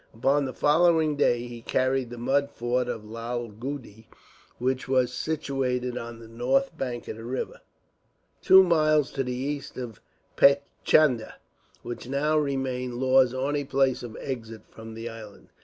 Upon the following day he carried the mud fort of Lalgudi, which was situated on the north bank of the river, two miles to the east of Paichandah, which now remained Law's only place of exit from the island.